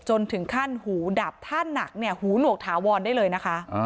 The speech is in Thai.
จนถึงขั้นหูดับถ้าหนักเนี่ยหูหนวกถาวรได้เลยนะคะ